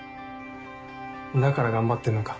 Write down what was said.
だから頑張ってんのか。